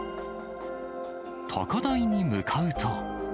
高台に向かうと。